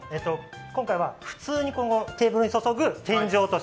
今回は普通にテーブルに注ぐ天井落とし。